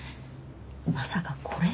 まさかこれ？